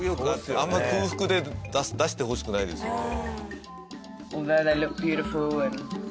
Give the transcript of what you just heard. あんま空腹で出してほしくないですよね。